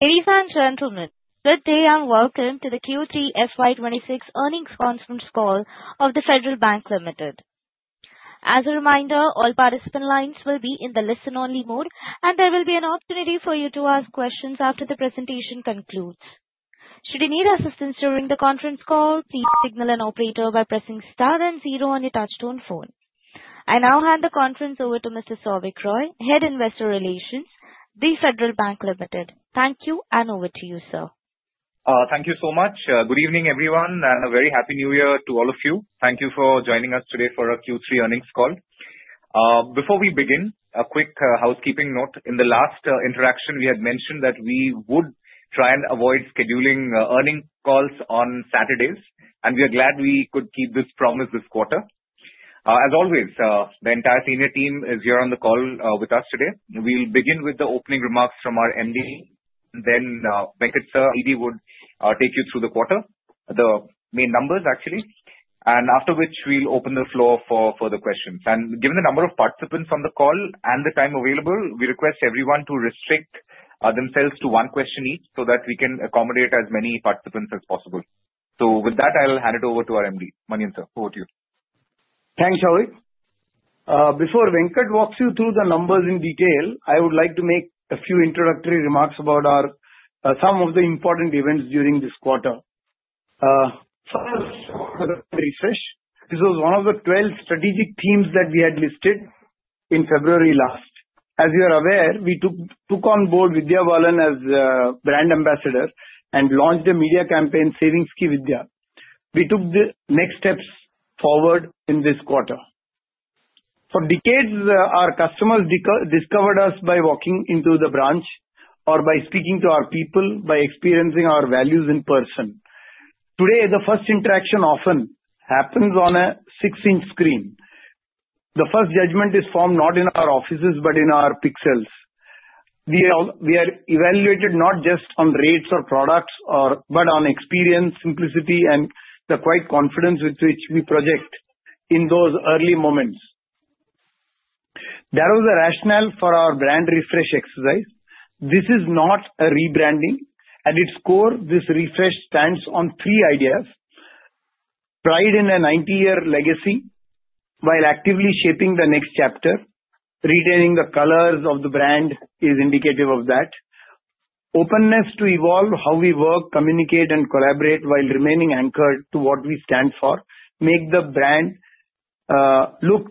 Ladies and gentlemen, good day and welcome to the Q3 FY25 Earnings Conference Call of Federal Bank Limited. As a reminder, all participant lines will be in the listen-only mode, and there will be an opportunity for you to ask questions after the presentation concludes. Should you need assistance during the conference call, please signal an operator by pressing star and zero on your touchtone phone. I now hand the conference over to Mr. Souvik Roy, Head of Investor Relations, Federal Bank Limited. Thank you, and over to you, sir. Thank you so much. Good evening, everyone, and a very happy New Year to all of you. Thank you for joining us today for a Q3 earnings call. Before we begin, a quick housekeeping note. In the last interaction, we had mentioned that we would try and avoid scheduling earnings calls on Saturdays, and we are glad we could keep this promise this quarter. As always, the entire senior team is here on the call with us today. We'll begin with the opening remarks from our MD, then Venkat will take you through the quarter, the main numbers, actually, and after which we'll open the floor for further questions, and given the number of participants on the call and the time available, we request everyone to restrict themselves to one question each so that we can accommodate as many participants as possible. So with that, I'll hand it over to our MD. Manian, sir, over to you. Thanks, Shalini. Before Venkat walks you through the numbers in detail, I would like to make a few introductory remarks about some of the important events during this quarter. First, for the refresh, this was one of the 12 strategic themes that we had listed in February last. As you are aware, we took on board Vidya Balan as a brand ambassador and launched a media campaign, Savings Ki Vidya. We took the next steps forward in this quarter. For decades, our customers discovered us by walking into the branch or by speaking to our people, by experiencing our values in person. Today, the first interaction often happens on a 16-inch screen. The first judgment is formed not in our offices, but in our pixels. We are evaluated not just on rates or products, but on experience, simplicity, and the quiet confidence with which we project in those early moments. There was a rationale for our brand refresh exercise. This is not a rebranding. At its core, this refresh stands on three ideas: pride in a 90-year legacy while actively shaping the next chapter, retaining the colors of the brand is indicative of that, openness to evolve how we work, communicate, and collaborate while remaining anchored to what we stand for, make the brand look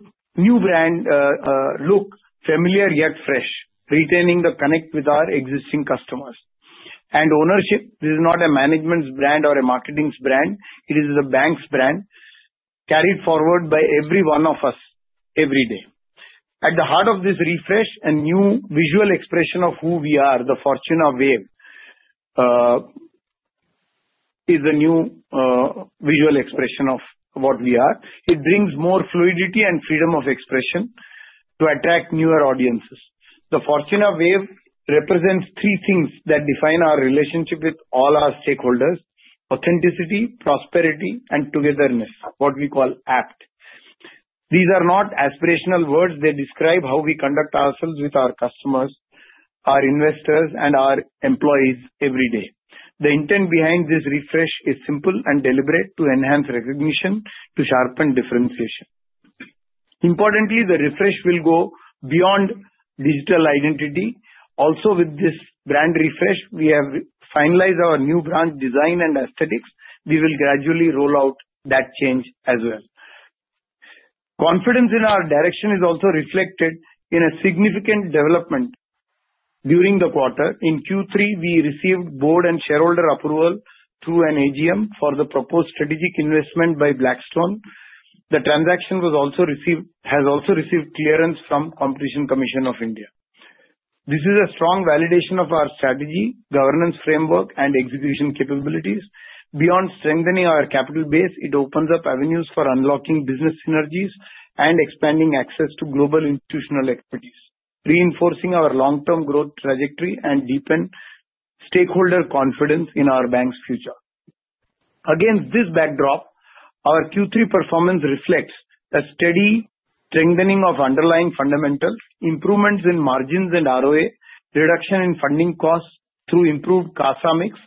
familiar yet fresh, retaining the connect with our existing customers, and ownership. This is not a management's brand or a marketing's brand. It is the bank's brand carried forward by every one of us every day. At the heart of this refresh, a new visual expression of who we are, the Fortuna Wave, is a new visual expression of what we are. It brings more fluidity and freedom of expression to attract newer audiences. The Fortuna Wave represents three things that define our relationship with all our stakeholders: authenticity, prosperity, and togetherness, what we call APT. These are not aspirational words. They describe how we conduct ourselves with our customers, our investors, and our employees every day. The intent behind this refresh is simple and deliberate: to enhance recognition, to sharpen differentiation. Importantly, the refresh will go beyond digital identity. Also, with this brand refresh, we have finalized our new branch design and aesthetics. We will gradually roll out that change as well. Confidence in our direction is also reflected in a significant development during the quarter. In Q3, we received board and shareholder approval through an AGM for the proposed strategic investment by Blackstone. The transaction has also received clearance from the Competition Commission of India. This is a strong validation of our strategy, governance framework, and execution capabilities. Beyond strengthening our capital base, it opens up avenues for unlocking business synergies and expanding access to global institutional expertise, reinforcing our long-term growth trajectory and deepen stakeholder confidence in our bank's future. Against this backdrop, our Q3 performance reflects a steady strengthening of underlying fundamentals, improvements in margins and ROI, reduction in funding costs through improved CASA mix,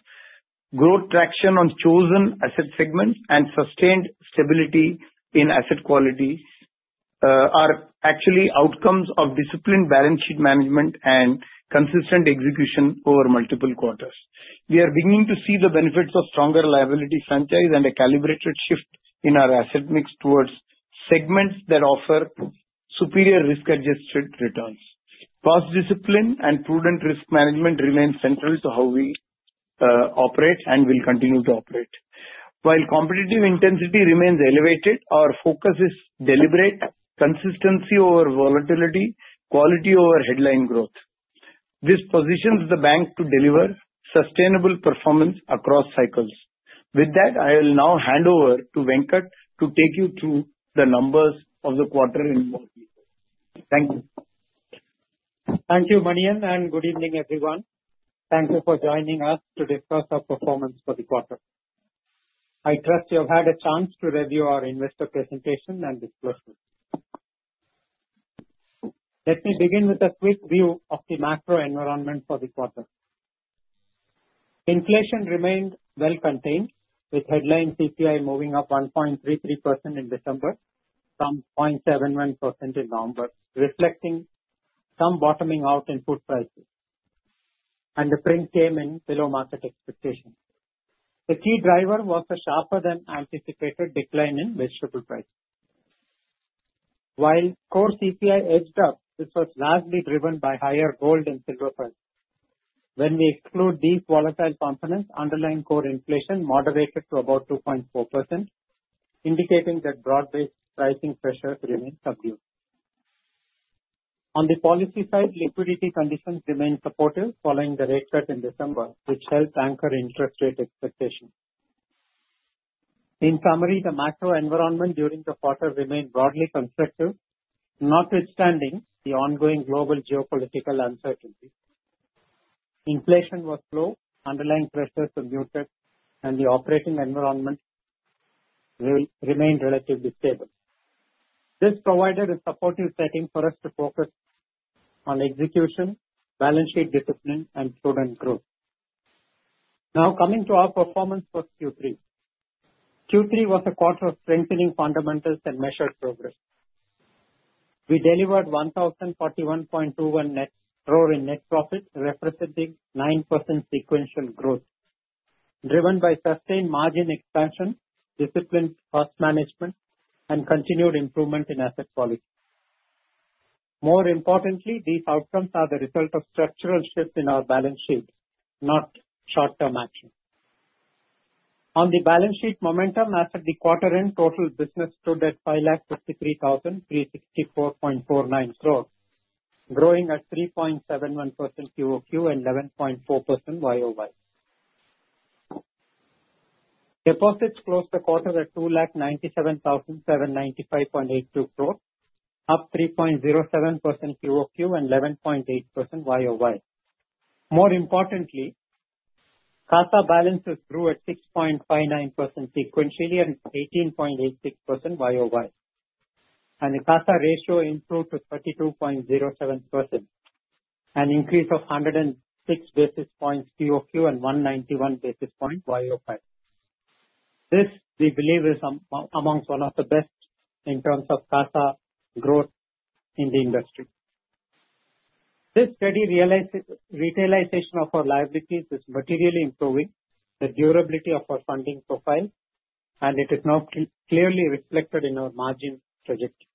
growth traction on chosen asset segments, and sustained stability in asset qualities. These are actually outcomes of disciplined balance sheet management and consistent execution over multiple quarters. We are beginning to see the benefits of stronger liability franchise and a calibrated shift in our asset mix towards segments that offer superior risk-adjusted returns. Cross-discipline and prudent risk management remain central to how we operate and will continue to operate. While competitive intensity remains elevated, our focus is deliberate consistency over volatility, quality over headline growth. This positions the bank to deliver sustainable performance across cycles. With that, I will now hand over to Venkat to take you through the numbers of the quarter in more detail. Thank you. Thank you, Manian, and good evening, everyone. Thank you for joining us to discuss our performance for the quarter. I trust you have had a chance to review our investor presentation and disclosure. Let me begin with a quick view of the macro environment for the quarter. Inflation remained well-contained, with headline CPI moving up 1.33% in December from 0.71% in November, reflecting some bottoming out in food prices, and the print came in below market expectations. The key driver was a sharper-than-anticipated decline in vegetable prices. While core CPI edged up, this was largely driven by higher gold and silver prices. When we exclude these volatile components, underlying core inflation moderated to about 2.4%, indicating that broad-based pricing pressures remain subdued. On the policy side, liquidity conditions remained supportive following the rate cut in December, which helped anchor interest rate expectations. In summary, the macro environment during the quarter remained broadly constructive, notwithstanding the ongoing global geopolitical uncertainty. Inflation was low, underlying pressures subdued, and the operating environment remained relatively stable. This provided a supportive setting for us to focus on execution, balance sheet discipline, and prudent growth. Now coming to our performance for Q3, Q3 was a quarter of strengthening fundamentals and measured progress. We delivered 1,041.21 crore in net profit, representing 9% sequential growth, driven by sustained margin expansion, disciplined cost management, and continued improvement in asset quality. More importantly, these outcomes are the result of structural shifts in our balance sheet, not short-term action. On the balance sheet momentum, after the quarter-end, total business stood at 5,533,364.49 crore, growing at 3.71% QoQ and 11.4% YoY. Deposits closed the quarter at 297,795.82 crore, up 3.07% QoQ and 11.8% YoY. More importantly, CASA balances grew at 6.59% sequentially and 18.86% YoY, and the CASA ratio improved to 32.07%, an increase of 106 basis points QoQ and 191 basis points YoY. This, we believe, is amongst one of the best in terms of CASA growth in the industry. This steady retailization of our liabilities is materially improving the durability of our funding profile, and it is now clearly reflected in our margin trajectory.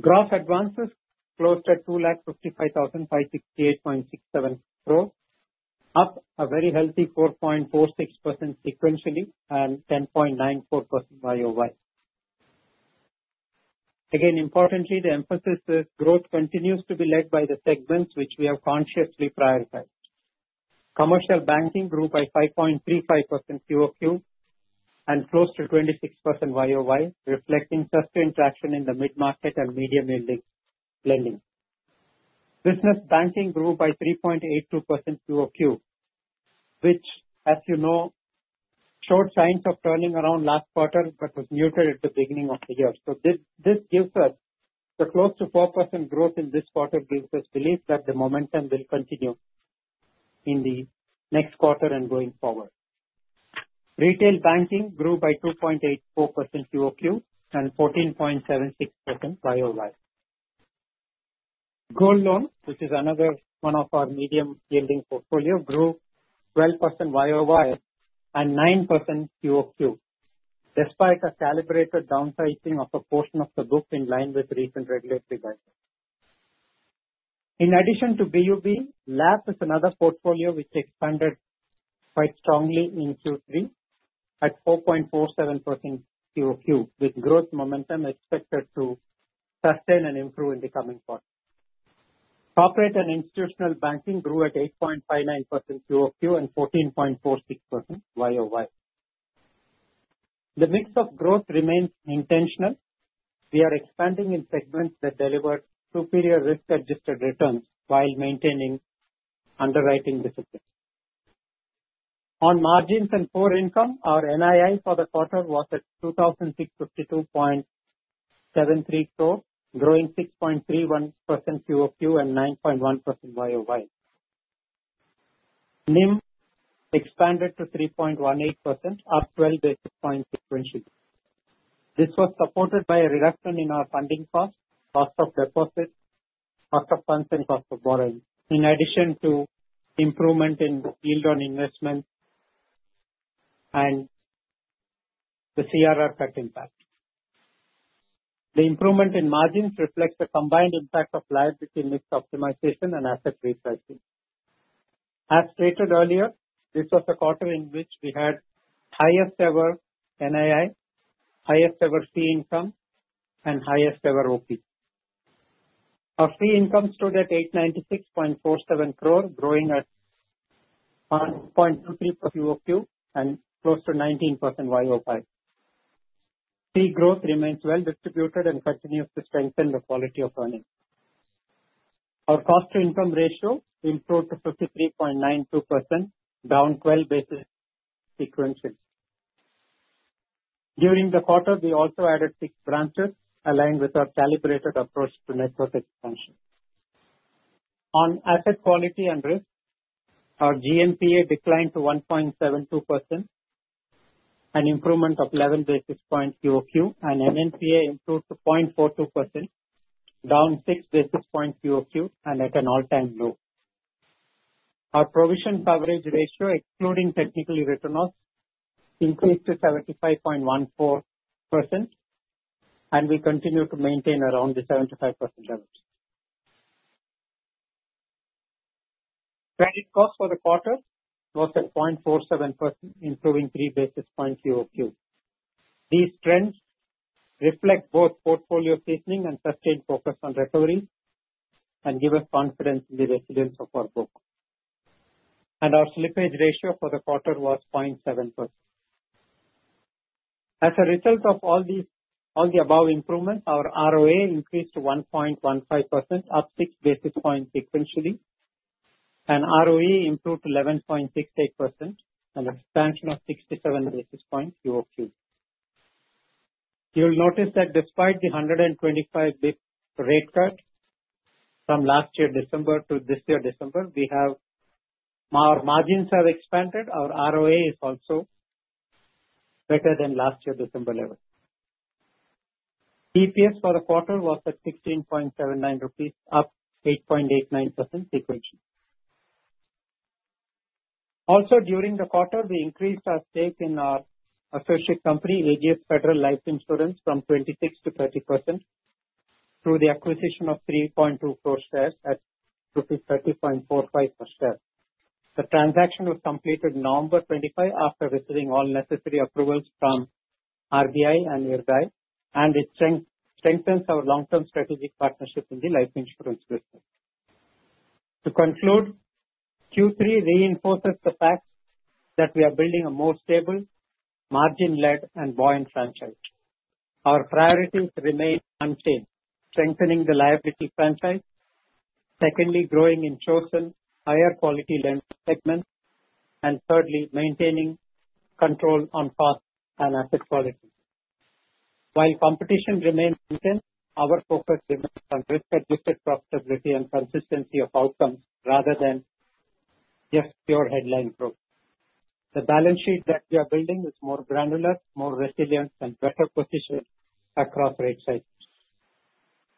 Gross advances closed at 255,568.67 crore, up a very healthy 4.46% sequentially and 10.94% YoY. Again, importantly, the emphasis is growth continues to be led by the segments which we have consciously prioritized. Commercial banking grew by 5.35% QoQ and close to 26% YoY, reflecting sustained traction in the mid-market and mid-corporate lending. Business banking grew by 3.82% QoQ, which, as you know, showed signs of turning around last quarter but was muted at the beginning of the year. So this gives us the close to 4% growth in this quarter, gives us belief that the momentum will continue in the next quarter and going forward. Retail banking grew by 2.84% QoQ and 14.76% YoY. Gold loans, which is another one of our medium-yielding portfolios, grew 12% YoY and 9% QoQ, despite a calibrated downsizing of a portion of the book in line with recent regulatory guidance. In addition to BuB, LAP is another portfolio which expanded quite strongly in Q3 at 4.47% QoQ, with growth momentum expected to sustain and improve in the coming quarter. Corporate and institutional banking grew at 8.59% QoQ and 14.46% YoY. The mix of growth remains intentional. We are expanding in segments that deliver superior risk-adjusted returns while maintaining underwriting disciplines. On margins and foreign income, our NII for the quarter was at 2,652.73 crore, growing 6.31% QoQ and 9.1% YoY. NIM expanded to 3.18%, up 12 basis points sequentially. This was supported by a reduction in our funding costs, cost of deposits, cost of funds, and cost of borrowing, in addition to improvement in yield on investment and the CRR cut impact. The improvement in margins reflects the combined impact of liability mix optimization and asset refreshing. As stated earlier, this was a quarter in which we had highest-ever NII, highest-ever fee income, and highest-ever OP. Our fee income stood at 896.47 crore, growing at 1.23% QoQ and close to 19% YoY. Fee growth remains well-distributed and continues to strengthen the quality of earnings. Our cost-to-income ratio improved to 53.92%, down 12 basis points sequentially. During the quarter, we also added six branches aligned with our calibrated approach to network expansion. On asset quality and risk, our GNPA declined to 1.72%, an improvement of 11 basis points QoQ, and NNPA improved to 0.42%, down 6 basis points QoQ and at an all-time low. Our provision coverage ratio, excluding technical returns, increased to 75.14% and will continue to maintain around the 75% level. Credit cost for the quarter was at 0.47%, improving 3 basis points QoQ. These trends reflect both portfolio tightening and sustained focus on recovery and give us confidence in the resilience of our book, and our slippage ratio for the quarter was 0.7%. As a result of all the above improvements, our ROA increased to 1.15%, up 6 basis points sequentially, and ROE improved to 11.68% and expansion of 67 basis points QoQ. You'll notice that despite the 125 basis points rate cut from last year, December, to this year, December, our margins have expanded. Our ROA is also better than last year, December level. EPS for the quarter was at 16.79 rupees, up 8.89% sequentially. Also, during the quarter, we increased our stake in our associate company, Ageas Federal Life Insurance, from 26%-30% through the acquisition of 3.24 crore shares at 30.45 per share. The transaction was completed November 25 after receiving all necessary approvals from RBI and IRDAI, and it strengthens our long-term strategic partnership in the life insurance business. To conclude, Q3 reinforces the fact that we are building a more stable, margin-led, and bought-in franchise. Our priorities remain unchanged: strengthening the liability franchise, secondly, growing in chosen, higher-quality lending segments, and thirdly, maintaining control on cost and asset quality. While competition remains intense, our focus remains on risk-adjusted profitability and consistency of outcomes rather than just pure headline growth. The balance sheet that we are building is more granular, more resilient, and better positioned across rate cycles.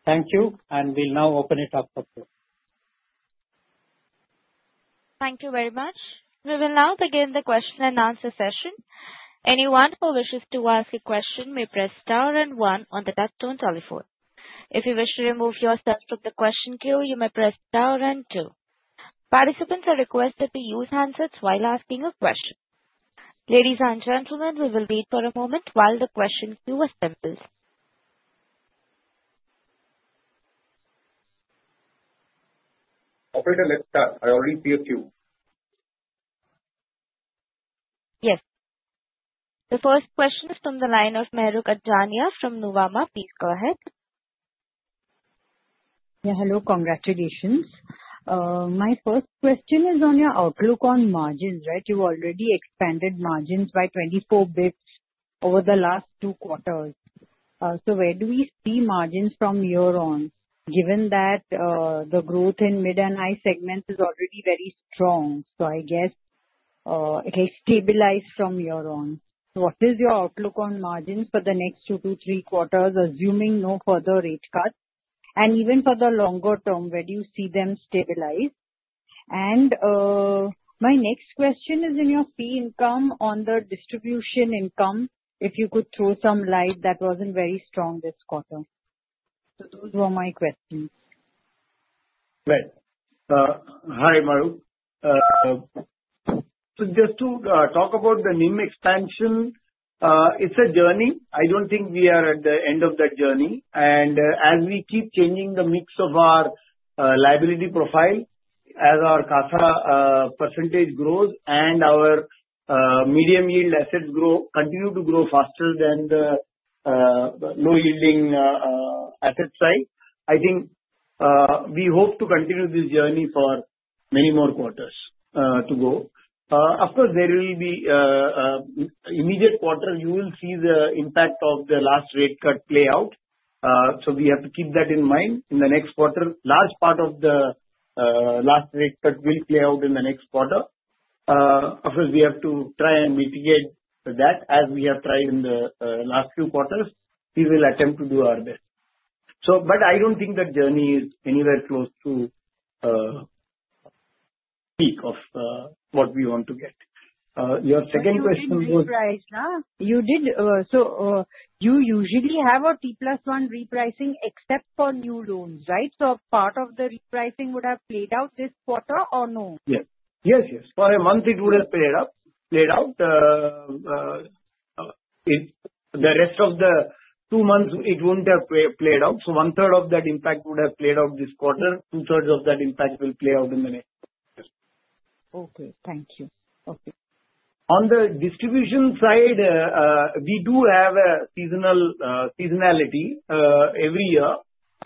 Thank you, and we'll now open it up for questions. Thank you very much. We will now begin the question and answer session. Anyone who wishes to ask a question may press star and one on the touch-tone telephone. If you wish to remove yourself from the question queue, you may press star and two. Participants are requested to use handsets while asking a question. Ladies and gentlemen, we will wait for a moment while the question queue assembles. Operator, let's start. I already see a queue. Yes. The first question is from the line of Mahrukh Adajania from Nuvama. Please go ahead. Yeah, hello. Congratulations. My first question is on your outlook on margins, right? You've already expanded margins by 24 basis points over the last two quarters. So where do we see margins from here on? Given that the growth in mid and high segments is already very strong, so I guess it will stabilize from here on. What is your outlook on margins for the next two to three quarters, assuming no further rate cuts? And even for the longer term, where do you see them stabilize? And my next question is in your fee income on the distribution income, if you could throw some light that wasn't very strong this quarter. So those were my questions. Right. Hi, Mehru. So just to talk about the NIM expansion, it's a journey. I don't think we are at the end of that journey, and as we keep changing the mix of our liability profile, as our CASA percentage grows and our medium-yield assets continue to grow faster than the low-yielding asset side, I think we hope to continue this journey for many more quarters to go. Of course, there will be immediate quarter, you will see the impact of the last rate cut play out, so we have to keep that in mind. In the next quarter, a large part of the last rate cut will play out in the next quarter. Of course, we have to try and mitigate that, as we have tried in the last few quarters. We will attempt to do our best. But I don't think that journey is anywhere close to the peak of what we want to get. Your second question was. You did reprice, huh? You did. So you usually have a T+1 repricing except for new loans, right? So part of the repricing would have played out this quarter or no? Yes. Yes, yes. For a month, it would have played out. The rest of the two months, it wouldn't have played out. So one-third of that impact would have played out this quarter. Two-thirds of that impact will play out in the next quarter. Okay. Thank you. Okay. On the distribution side, we do have a seasonality every year.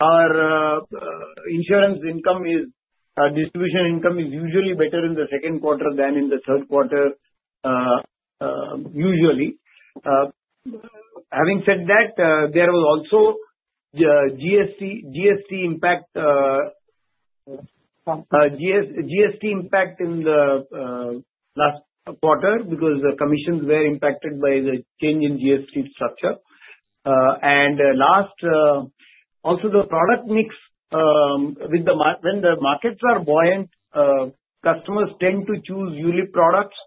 Our insurance income, our distribution income, is usually better in the second quarter than in the third quarter, usually. Having said that, there was also GST impact in the last quarter because the commissions were impacted by the change in GST structure, and last, also the product mix, when the markets are buoyant, customers tend to choose unit products,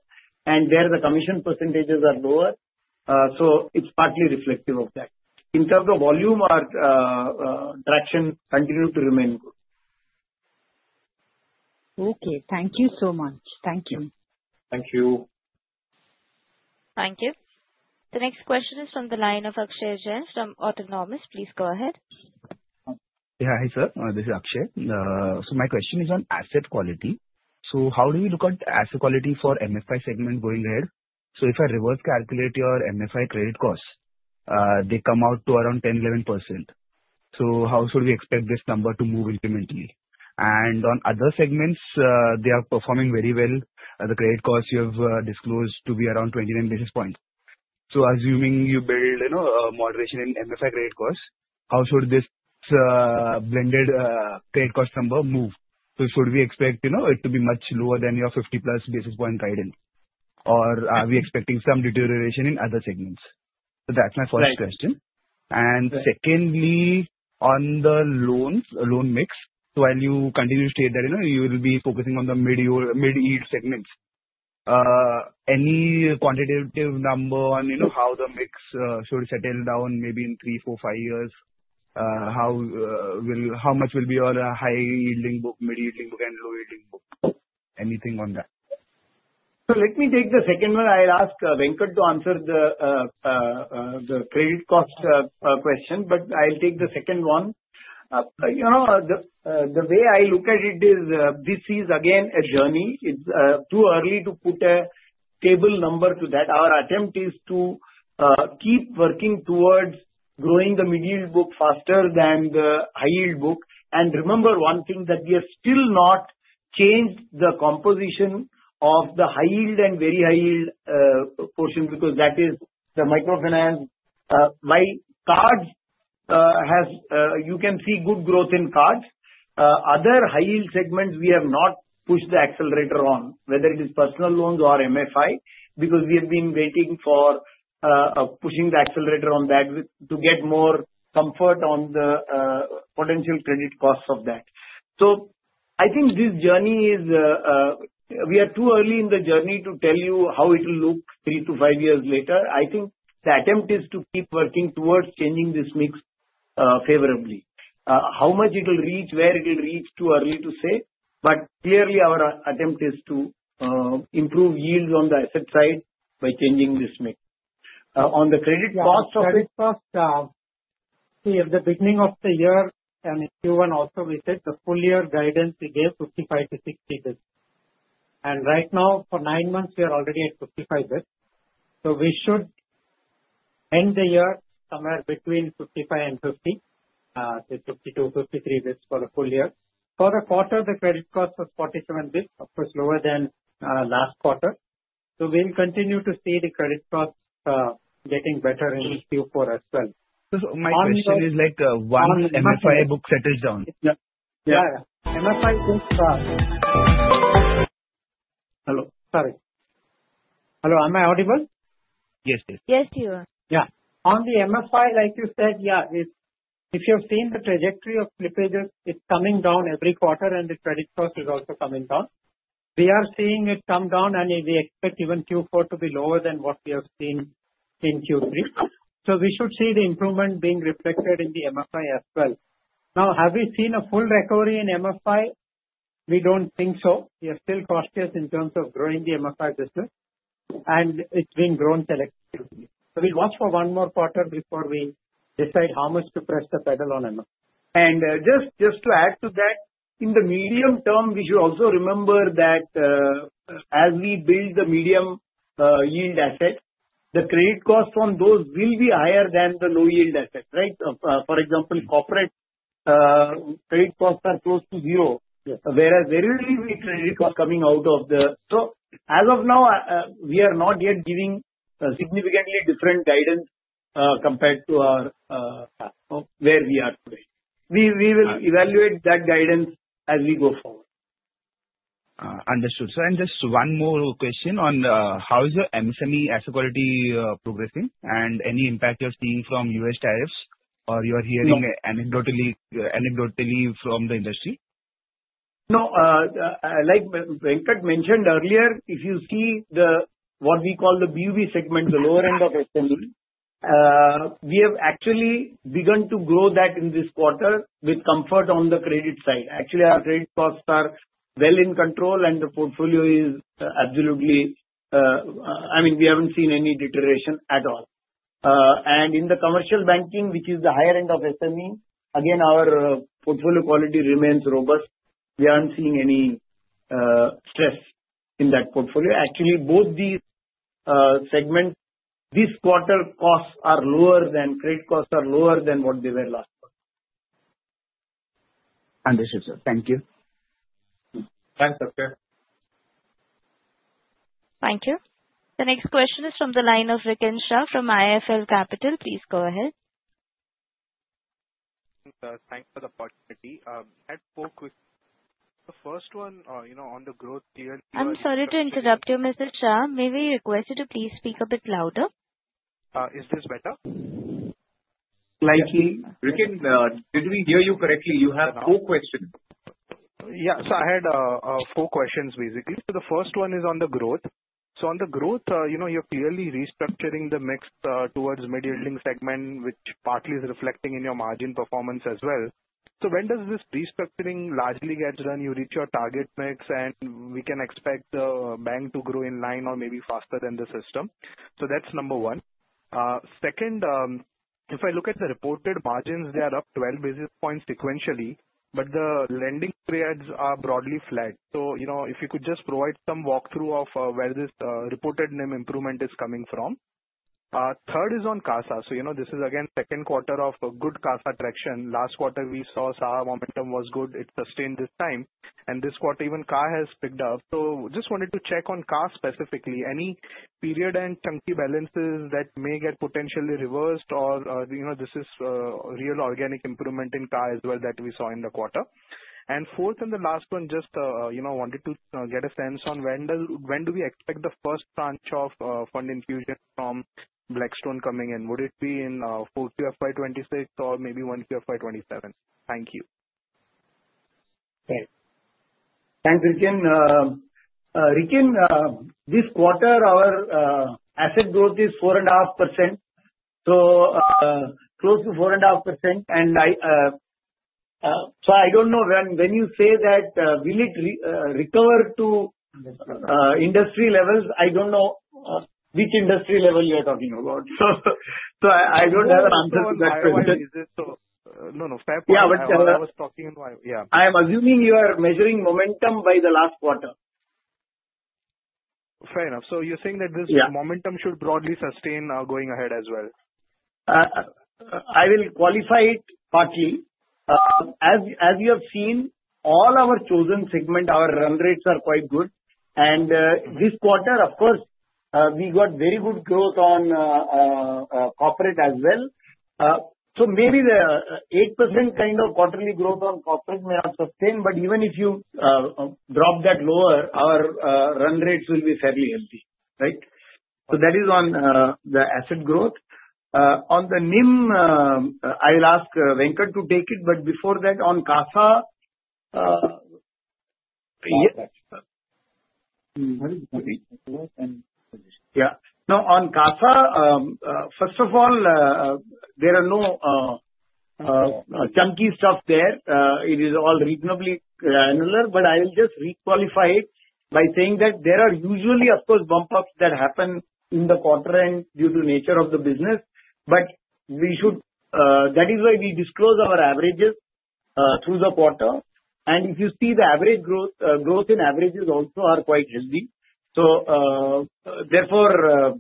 and where the commission percentages are lower, so it's partly reflective of that. In terms of volume, our traction continues to remain good. Okay. Thank you so much. Thank you. Thank you. Thank you. The next question is from the line of Akshay Jain from Autonomous. Please go ahead. Yeah, hi sir. This is Akshay. So my question is on asset quality. So how do we look at asset quality for MFI segment going ahead? So if I reverse calculate your MFI credit costs, they come out to around 10%-11%. So how should we expect this number to move incrementally? And on other segments, they are performing very well. The credit costs you have disclosed to be around 29 basis points. So assuming you build a moderation in MFI credit costs, how should this blended credit cost number move? So should we expect it to be much lower than your 50-plus basis point guidance? Or are we expecting some deterioration in other segments? So that's my first question. Secondly, on the loan mix, so while you continue to state that you will be focusing on the mid-yield segments, any quantitative number on how the mix should settle down maybe in three, four, five years? How much will be your high-yielding book, mid-yielding book, and low-yielding book? Anything on that? So let me take the second one. I'll ask Venkat to answer the credit cost question, but I'll take the second one. The way I look at it is this is, again, a journey. It's too early to put a table number to that. Our attempt is to keep working towards growing the mid-yield book faster than the high-yield book. And remember one thing, that we have still not changed the composition of the high-yield and very high-yield portion because that is the microfinance. You can see good growth in cards. Other high-yield segments, we have not pushed the accelerator on, whether it is personal loans or MFI, because we have been waiting for pushing the accelerator on that to get more comfort on the potential credit costs of that. So, I think this journey is we are too early in the journey to tell you how it will look three to five years later. I think the attempt is to keep working towards changing this mix favorably. How much it will reach, where it will reach, too early to say. But clearly, our attempt is to improve yield on the asset side by changing this mix. On the credit cost of. The credit cost, see, at the beginning of the year, and if you want to also visit the full year guidance, it gave 55 basis points-60 basis points. Right now, for nine months, we are already at 55 basis points, so we should end the year somewhere between 55 and 50, say 52, 53 basis points for the full year. For the quarter, the credit cost was 47 basis points, of course, lower than last quarter, so we'll continue to see the credit costs getting better in Q4 as well. So my question is like once MFI book settles down. Yeah, yeah. MFI book starts. Hello. Sorry. Hello. Am I audible? Yes, yes. Yes, you are. Yeah. On the MFI, like you said, yeah, if you have seen the trajectory of slippages, it's coming down every quarter, and the credit cost is also coming down. We are seeing it come down, and we expect even Q4 to be lower than what we have seen in Q3. So we should see the improvement being reflected in the MFI as well. Now, have we seen a full recovery in MFI? We don't think so. We are still cautious in terms of growing the MFI business, and it's being grown selectively. So we'll watch for one more quarter before we decide how much to press the pedal on MFI. And just to add to that, in the medium term, we should also remember that as we build the medium-yield asset, the credit costs on those will be higher than the low-yield asset, right? For example, corporate credit costs are close to zero, whereas very little credit costs coming out of the. So as of now, we are not yet giving significantly different guidance compared to where we are today. We will evaluate that guidance as we go forward. Understood. So then just one more question on how is the MSME asset quality progressing and any impact you're seeing from U.S. tariffs or you're hearing anecdotally from the industry? No. Like Venkat mentioned earlier, if you see what we call the BuB segment, the lower end of SME, we have actually begun to grow that in this quarter with comfort on the credit side. Actually, our credit costs are well in control, and the portfolio is absolutely, I mean, we haven't seen any deterioration at all, and in the commercial banking, which is the higher end of SME, again, our portfolio quality remains robust. We aren't seeing any stress in that portfolio. Actually, both these segments, this quarter, credit costs are lower than what they were last quarter. Understood, sir. Thank you. Thanks, Akshay. Thank you. The next question is from the line of Rikin Shah from IIFL Securities. Please go ahead. Thanks for the opportunity. I had four questions. The first one on the growth tier. I'm sorry to interrupt you, Mr. Shah. May we request you to please speak a bit louder? Is this better? Slightly. Rikin, did we hear you correctly? You have four questions. Yeah. So I had four questions, basically. So the first one is on the growth. So on the growth, you're clearly restructuring the mix towards mid-yielding segment, which partly is reflecting in your margin performance as well. So when does this restructuring largely get done? You reach your target mix, and we can expect the bank to grow in line or maybe faster than the system. So that's number one. Second, if I look at the reported margins, they are up 12 basis points sequentially, but the lending periods are broadly flat. So if you could just provide some walkthrough of where this reported NIM improvement is coming from. Third is on CASA. So this is, again, second quarter of a good CASA traction. Last quarter, we saw SA momentum was good. It sustained this time. And this quarter, even CA has picked up. So just wanted to check on CASA specifically, any period-end chunky balances that may get potentially reversed, or this is real organic improvement in CASA as well that we saw in the quarter. And fourth and the last one, just wanted to get a sense on when do we expect the first tranche of fund infusion from Blackstone coming in? Would it be in 4Q FY26 or maybe 1Q FY27? Thank you. Thanks. Thanks, Rikin. Rikin, this quarter, our asset growth is 4.5%. So close to 4.5%. And so I don't know when you say that will it recover to industry levels, I don't know which industry level you are talking about. So I don't have an answer to that question. No, no. Fair point. Yeah, but. I was talking to my, Yeah. I am assuming you are measuring momentum by the last quarter. Fair enough. So you're saying that this momentum should broadly sustain going ahead as well? I will qualify it partly. As you have seen, all our chosen segments, our run rates are quite good. And this quarter, of course, we got very good growth on corporate as well. So maybe the 8% kind of quarterly growth on corporate may not sustain, but even if you drop that lower, our run rates will be fairly healthy, right? So that is on the asset growth. On the NIM, I will ask Venkat to take it. But before that, on CASA, yeah. No, on CASA, first of all, there are no chunky stuff there. It is all reasonably granular. But I will just requalify it by saying that there are usually, of course, bump-ups that happen in the quarter-end due to nature of the business. But that is why we disclose our averages through the quarter. And if you see the average growth, growth in averages also are quite healthy. So therefore,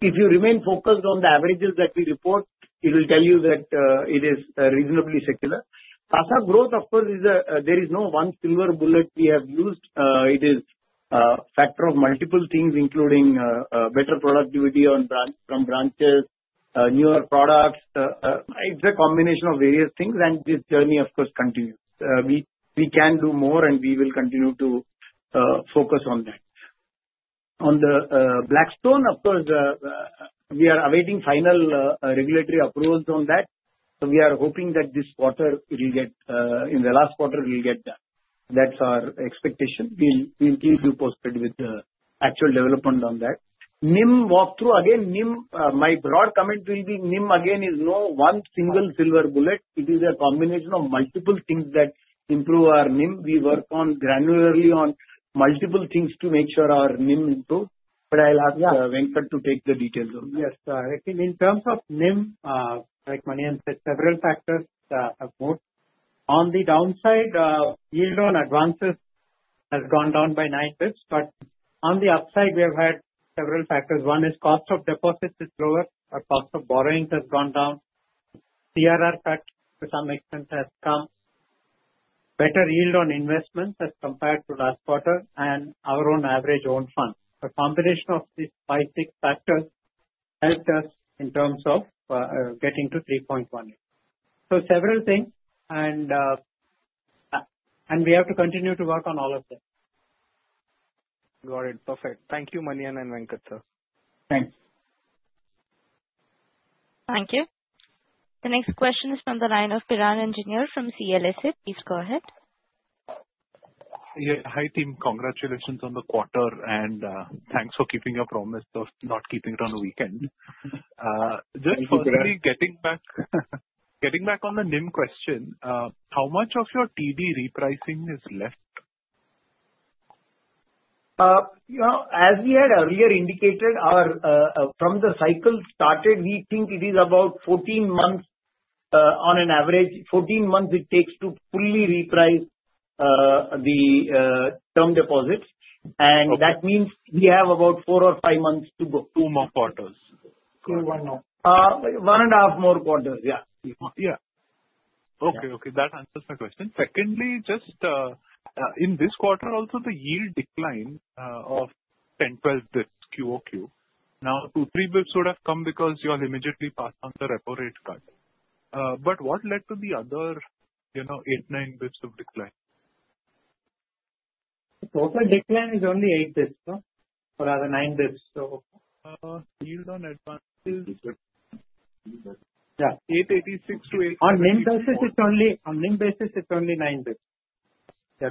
if you remain focused on the averages that we report, it will tell you that it is reasonably secular. CASA growth, of course, there is no one silver bullet we have used. It is a factor of multiple things, including better productivity from branches, newer products. It's a combination of various things. And this journey, of course, continues. We can do more, and we will continue to focus on that. On the Blackstone, of course, we are awaiting final regulatory approvals on that. So we are hoping that this quarter, in the last quarter, we'll get that. That's our expectation. We'll keep you posted with the actual development on that. NIM walkthrough, again, my broad comment will be NIM again is no one single silver bullet. It is a combination of multiple things that improve our NIM. We work granularly on multiple things to make sure our NIM improves. But I'll ask Venkat to take the details on that. Yes, Rikin. In terms of NIM, like Manian said, several factors have moved. On the downside, yield on advances has gone down by nine basis points. But on the upside, we have had several factors. One is cost of deposits is lower. Our cost of borrowing has gone down. CRR cut to some extent has come. Better yield on investments as compared to last quarter and our own average owned fund. The combination of these five, six factors helped us in terms of getting to 3.18%. So several things, and we have to continue to work on all of them. Got it. Perfect. Thank you, Manian and Venkat, sir. Thanks. Thank you. The next question is from the line of Piran Engineer from CLSA. Please go ahead. Hey, team. Congratulations on the quarter, and thanks for keeping your promise of not keeping it on a weekend. Just quickly getting back on the NIM question, how much of your TD repricing is left? As we had earlier indicated, from the cycle started, we think it is about 14 months on an average. 14 months it takes to fully reprice the term deposits. And that means we have about four or five months to go. Two more quarters. Two more quarters. One and a half more quarters, yeah. Yeah. Okay, okay. That answers my question. Secondly, just in this quarter, also, the yield declined by 10 basis points-12 basis points QoQ. Now, two-three basis points would have come because you all immediately passed on the repo rate cut. But what led to the other eight basis points-nine basis points of decline? Total decline is only eight basis points or nine basis points, so. Yield on advances. Yeah. 886 to 886. On NIM basis, it's only on NIM basis, it's only nine basis points. Yeah, drop in yield on advances. Yeah.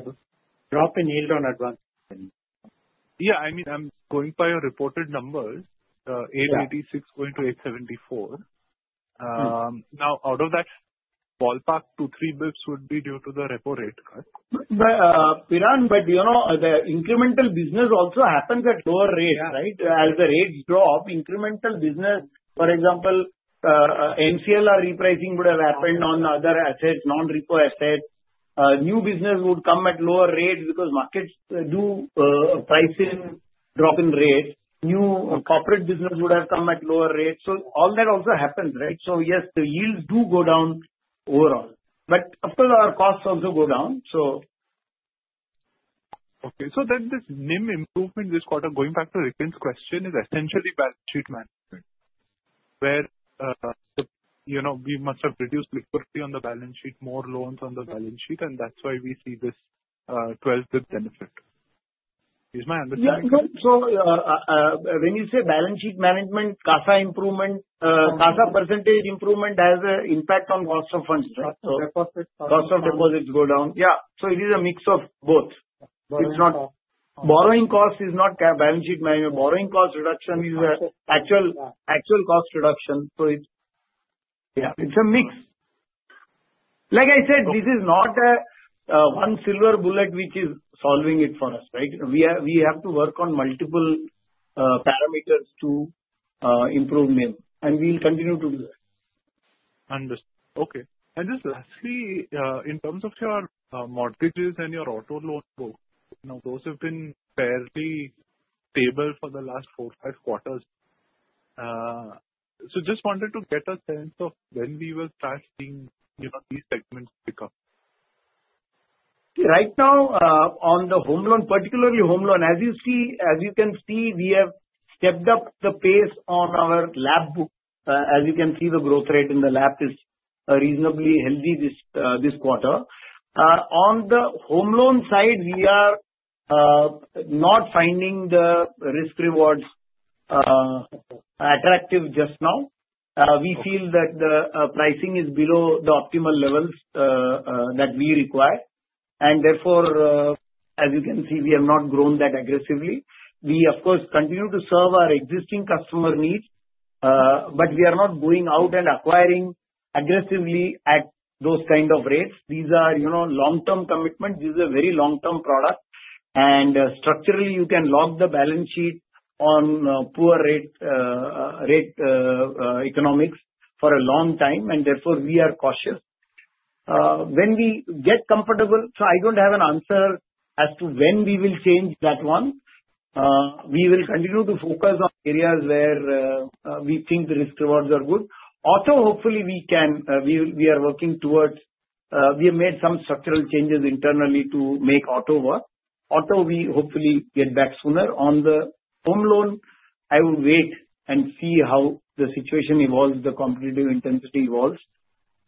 I mean, I'm going by your reported numbers, 886 going to 874. Now, out of that ballpark, two, three basis points would be due to the repo rate cut? Piran, but the incremental business also happens at lower rates, right? As the rates drop, incremental business, for example, MCLR repricing would have happened on other assets, non-repo assets. New business would come at lower rates because markets do price in, drop in rates. New corporate business would have come at lower rates. So all that also happens, right? So yes, the yields do go down overall. But of course, our costs also go down, so. Okay. So then this NIM improvement this quarter, going back to Rikin's question, is essentially balance sheet management, where we must have reduced liquidity on the balance sheet, more loans on the balance sheet, and that's why we see this 12 basis points benefit. Is my understanding correct? So when you say balance sheet management, CASA improvement, CASA percentage improvement has an impact on cost of funds, right? Cost of deposits. Cost of deposits go down. Yeah. So it is a mix of both. It's not. Borrowing cost is not balance sheet management. Borrowing cost reduction is actual cost reduction. So it's a mix. Like I said, this is not one silver bullet which is solving it for us, right? We have to work on multiple parameters to improve NIM. And we'll continue to do that. Understood. Okay. And just lastly, in terms of your mortgages and your auto loan work, those have been fairly stable for the last four, five quarters. So just wanted to get a sense of when we were starting these segments pick up. Right now, on the home loan, particularly home loan, as you can see, we have stepped up the pace on our LAP. As you can see, the growth rate in the LAP is reasonably healthy this quarter. On the home loan side, we are not finding the risk-rewards attractive just now. We feel that the pricing is below the optimal levels that we require. And therefore, as you can see, we have not grown that aggressively. We, of course, continue to serve our existing customer needs, but we are not going out and acquiring aggressively at those kind of rates. These are long-term commitments. This is a very long-term product. And structurally, you can lock the balance sheet on poor rate economics for a long time. And therefore, we are cautious. When we get comfortable, so I don't have an answer as to when we will change that one. We will continue to focus on areas where we think the risk-rewards are good. Auto, hopefully, we are working towards. We have made some structural changes internally to make auto work. Auto, we hopefully get back sooner. On the home loan, I will wait and see how the situation evolves, the competitive intensity evolves,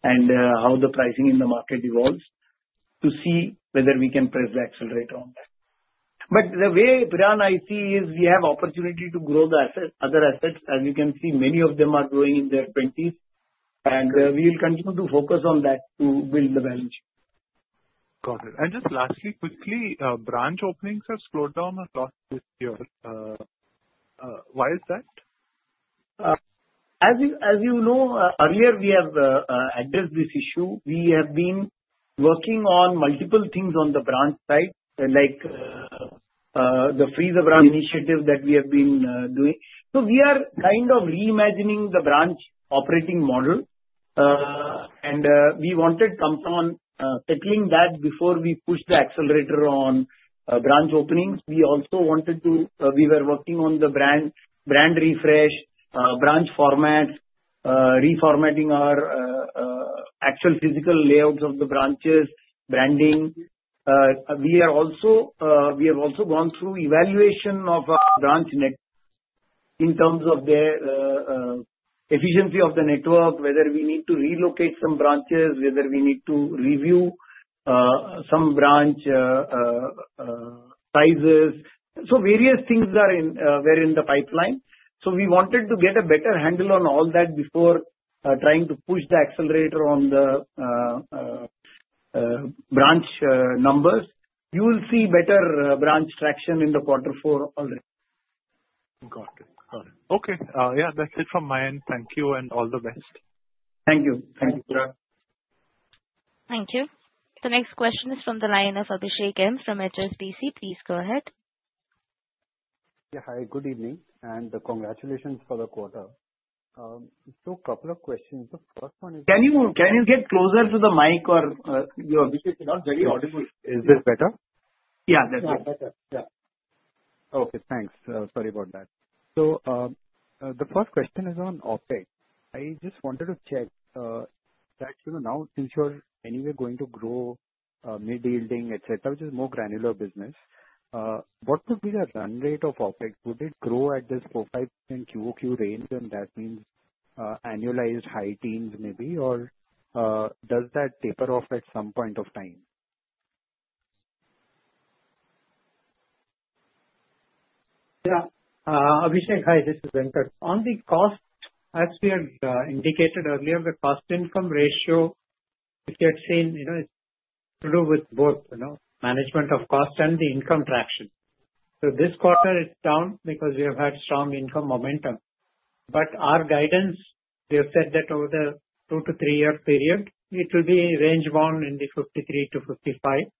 and how the pricing in the market evolves to see whether we can press the accelerator on that. But the way Piran, I see is we have opportunity to grow the other assets. As you can see, many of them are growing in their 20s. And we will continue to focus on that to build the balance sheet. Got it. Just lastly, quickly, branch openings have slowed down a lot this year. Why is that? As you know, earlier, we have addressed this issue. We have been working on multiple things on the branch side, like the freeze of branch initiative that we have been doing, so we are kind of reimagining the branch operating model, and we wanted someone settling that before we push the accelerator on branch openings. We also wanted to. We were working on the brand refresh, branch formats, reformatting our actual physical layouts of the branches, branding. We have also gone through evaluation of our branch net in terms of the efficiency of the network, whether we need to relocate some branches, whether we need to review some branch sizes, so various things were in the pipeline, so we wanted to get a better handle on all that before trying to push the accelerator on the branch numbers. You will see better branch traction in the quarter four already. Got it. Got it. Okay. Yeah, that's it from my end. Thank you and all the best. Thank you. Thank you, Piran. Thank you. The next question is from the line of Abhishek M from HSBC. Please go ahead. Yeah. Hi. Good evening, and congratulations for the quarter. So a couple of questions. The first one. Can you get closer to the mic? You're Abhishek. Not very audible. Is this better? Yeah, that's better. Yeah. Okay. Thanks. Sorry about that. So the first question is on OpEx. I just wanted to check that now, since you're anyway going to grow mid-yielding, etc., which is more granular business, what would be the run rate of OpEx? Would it grow at this 4.5% QoQ range? And that means annualized high teens maybe, or does that taper off at some point of time? Yeah. Abhishek, hi. This is Venkat. On the cost, as we had indicated earlier, the cost-income ratio, as you had seen, it's to do with both management of cost and the income traction. So this quarter, it's down because we have had strong income momentum. But our guidance, we have said that over the two to three-year period, it will be range bound in the 53%-55%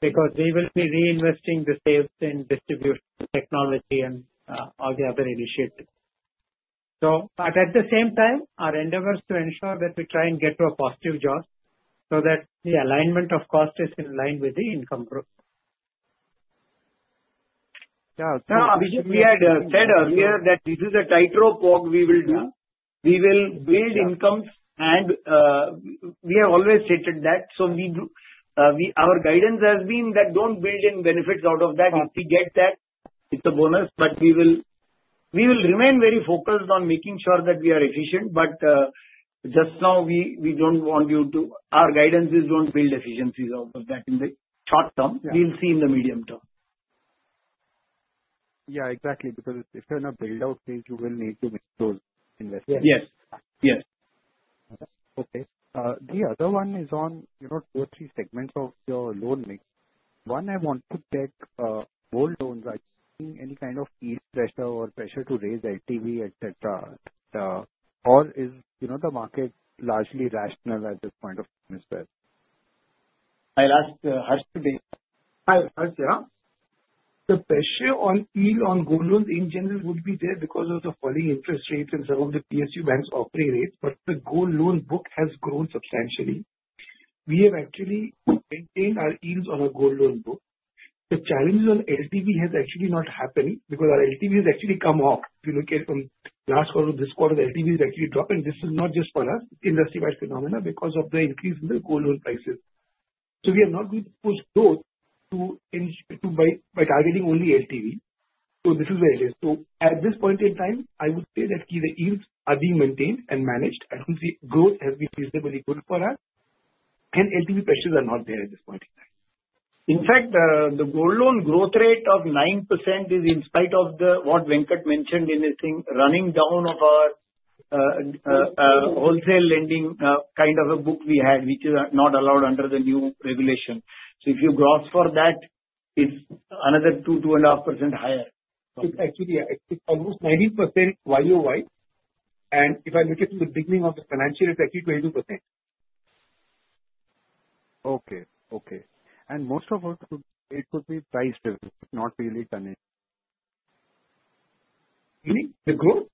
because we will be reinvesting the sales and distribution technology and all the other initiatives. But at the same time, our endeavors to ensure that we try and get to a positive jaws so that the alignment of cost is in line with the income growth. Yeah. Now, Abhishek, we had said earlier that this is a tightrope walk we will do. We will build incomes, and we have always stated that. So our guidance has been that don't build in benefits out of that. If we get that, it's a bonus. But we will remain very focused on making sure that we are efficient. But just now, we don't want you to. Our guidance is don't build efficiencies out of that in the short term. We'll see in the medium term. Yeah, exactly. Because if you're going to build out things, you will need to make those investments. Yes. Yes. Okay. The other one is on two or three segments of your loan mix. One, I want to take gold loans. Any kind of yield pressure or pressure to raise LTV, etc.? Or is the market largely rational at this point of time, Mr. Venkat? I'll ask Harsh Dugar. Hi, Harsh. The pressure on yield on gold loans in general would be there because of the falling interest rates and some of the PSU banks' operating rates. But the gold loan book has grown substantially. We have actually maintained our yields on a gold loan book. The challenge on LTV has actually not happened because our LTV has actually come up. If you look at from last quarter to this quarter, the LTV has actually dropped. And this is not just for us. It's industry-wide phenomena because of the increase in the gold loan prices. So we are not going to push growth by targeting only LTV. So this is where it is. So at this point in time, I would say that the yields are being maintained and managed, and the growth has been reasonably good for us. And LTV pressures are not there at this point in time. In fact, the gold loan growth rate of 9% is in spite of what Venkat mentioned in his thing, running down of our wholesale lending kind of a book we had, which is not allowed under the new regulation. So if you gross for that, it's another 2%-2.5% higher. It's actually almost 19% YoY. And if I look at the beginning of the financial, it's actually 22%. Okay. And most of it would be price-driven, not really tonnage. Meaning the growth?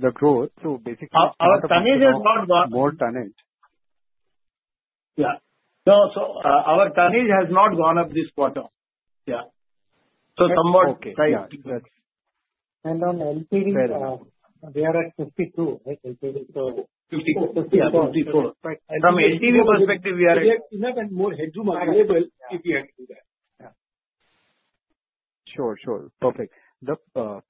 The growth. So basically. Our tonnage has not gone. More tonnage. Yeah. No, so our tonnage has not gone up this quarter. Yeah, so somewhat tight. Okay. That's fair. On LTV, we are at 52, right? LTV. So. 54. 54. 54. From LTV perspective, we are at. We have enough and more headroom available if we had to do that. Yeah. Sure. Sure. Perfect. The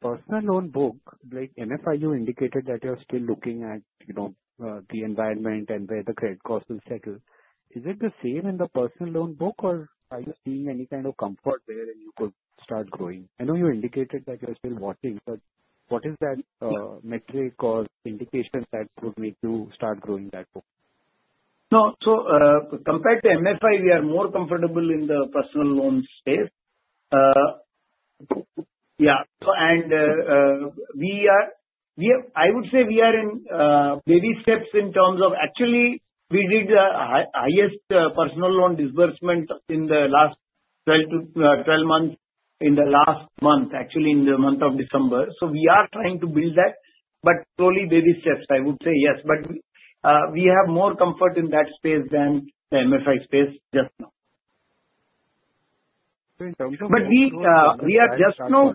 personal loan book, like MFI indicated that you're still looking at the environment and where the credit cost will settle. Is it the same in the personal loan book, or are you seeing any kind of comfort there and you could start growing? I know you indicated that you're still watching, but what is that metric or indication that would make you start growing that book? No. So compared to MFI, we are more comfortable in the personal loan space. Yeah. And I would say we are in baby steps in terms of actually, we did the highest personal loan disbursement in the last 12 months in the last month, actually in the month of December. So we are trying to build that, but slowly baby steps, I would say, yes. But we have more comfort in that space than the MFI space just now. Very good. But we are just now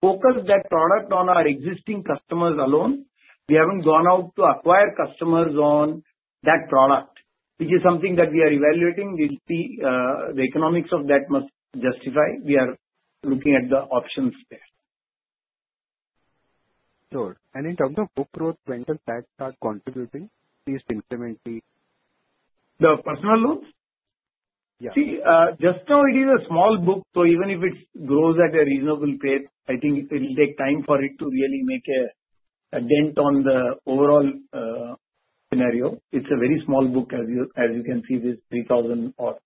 focusing that product on our existing customers alone. We haven't gone out to acquire customers on that product, which is something that we are evaluating. We'll see the economics of that must justify. We are looking at the options there. Sure. And in terms of book growth, when does that start contributing? Please incrementally. The personal loans? Yeah. See, just now, it is a small book. So even if it grows at a reasonable pace, I think it will take time for it to really make a dent on the overall scenario. It's a very small book, as you can see, this 3,000 crores of book, 3,600 crore book.